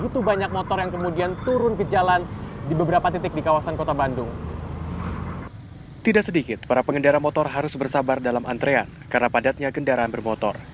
tidak sedikit para pengendara motor harus bersabar dalam antrean karena padatnya kendaraan bermotor